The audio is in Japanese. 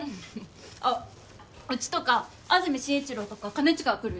あっうちとか安住紳一郎とか兼近が来るよ